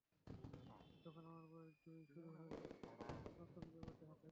যখন আমার বয়স দুই, শুরু হয় নতুন জগতে হাতেখড়ি।